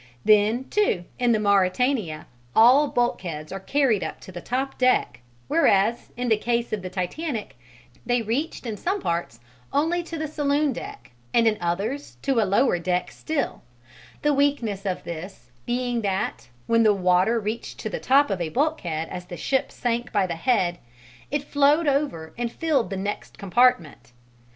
Then, too, in the Mauretania all bulkheads are carried up to the top deck, whereas in the case of the Titanic they reached in some parts only to the saloon deck and in others to a lower deck still, the weakness of this being that, when the water reached to the top of a bulkhead as the ship sank by the head, it flowed over and filled the next compartment.